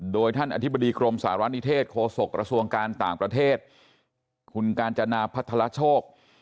โดยท่านอธิบดีกรมสารณิเทศโฆษกระทรวงการต่างประเทศคุณกาญจนาพัทรโชค